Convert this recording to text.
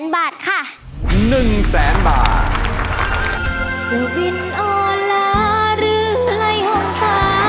๑๐๐๐๐๐บาทค่ะ